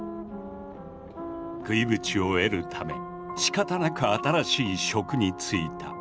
食いぶちを得るためしかたなく新しい職に就いた。